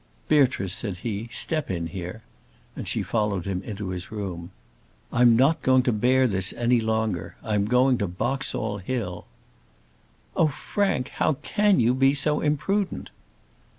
"Beatrice," said he, "step in here," and she followed him into his room. "I'm not going to bear this any longer; I'm going to Boxall Hill." "Oh, Frank! how can you be so imprudent?"